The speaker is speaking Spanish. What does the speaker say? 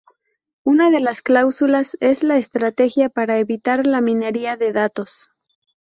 Una de las cláusulas es la estrategia para evitar la minería de datos.